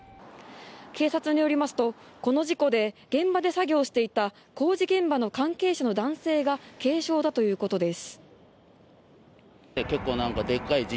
警察によりますと、この事故で現場で作業していた工事現場の関係者の男性が軽傷だということです。